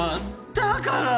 だから！